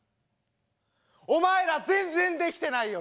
お前ら全然できてないよ。